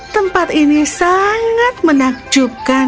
tempat ini sangat menakjubkan